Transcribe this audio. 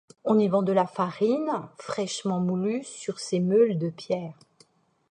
On y vend de la farine fraîchement moulue sur ses meules de pierre.